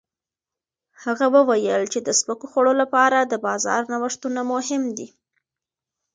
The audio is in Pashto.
هغه وویل د سپکو خوړو لپاره د بازار نوښتونه مهم دي.